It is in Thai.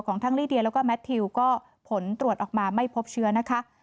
ทั้งลิเดียแล้วก็แมททิวก็ผลตรวจออกมาไม่พบเชื้อนะคะ